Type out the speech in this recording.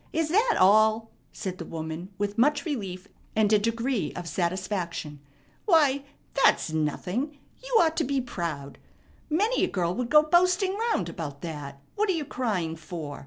Is that all?" said the woman with much relief and a degree of satisfaction. "Why, that's nothing. You ought to be proud. Many a girl would go boasting round about that. What are you crying for?